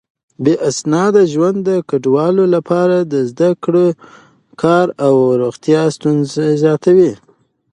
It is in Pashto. بې اسناده ژوند د کډوالو لپاره د زده کړو، کار او روغتيا ستونزې زياتوي.